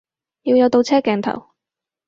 要有倒車鏡頭